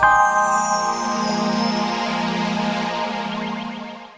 kadang dadang leher